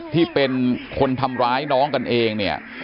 ที่เป็นคนทำร้ายน้องกันเองเนี่ย